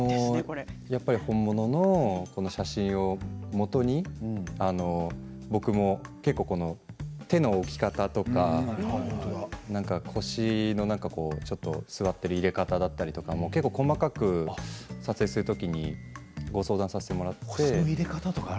本物の写真をもとに僕も結構手の置き方とか腰のちょっと座っている入れ方だったりということも細かく撮影するときにご相談させてもらって。